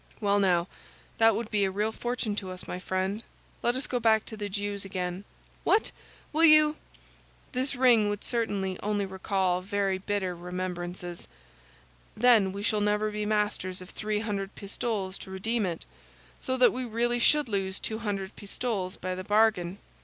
Well, now, that would be a real fortune to us, my friend; let us go back to the Jew's again." "What! will you—" "This ring would certainly only recall very bitter remembrances; then we shall never be masters of three hundred pistoles to redeem it, so that we really should lose two hundred pistoles by the bargain.